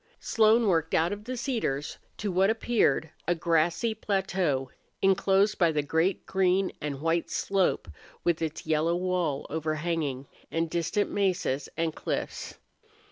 Slone worked out of the cedars to what appeared a grassy plateau inclosed by the great green and white slope with its yellow wall overhanging, and distant mesas and cliffs.